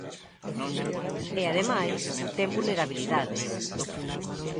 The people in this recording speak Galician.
E, ademais, ten vulnerabilidades.